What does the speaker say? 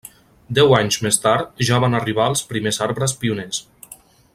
Deu anys més tard ja van arribar els primers arbres pioners.